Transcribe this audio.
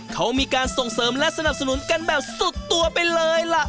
เขามีการส่งเสริมและสนับสนุนกันแบบสุดตัวไปเลยล่ะ